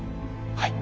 はい。